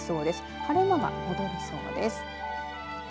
晴れ間が出そうです。